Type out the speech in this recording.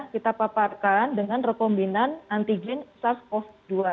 kita paparkan dengan rekombinan antigen sars cov dua